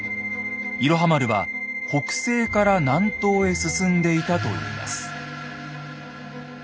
「いろは丸」は北西から南東へ進んでいたといいます。